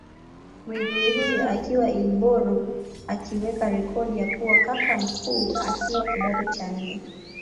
Mwigulu huyu akiwa Ilboru aliweka rekodi ya kuwa kaka mkuu akiwa kidato cha nne